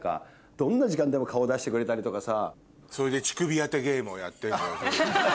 どんな時間でも顔出してくれたりとかさ。